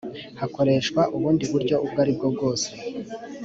hakoreshwa ubundi buryo ubwo ari bwo bwose